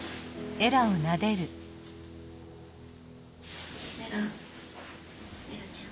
エラちゃん。